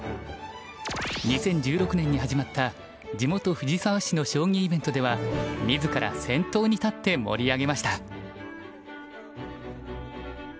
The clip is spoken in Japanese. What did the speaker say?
２０１６年に始まった地元藤沢市の将棋イベントでは自ら先頭に立って盛り上げました。